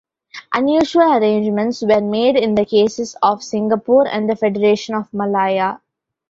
Unusual arrangements were made in the cases of Singapore and the Federation of Malaya.